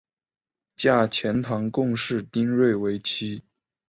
嫁钱塘贡士丁睿为妻。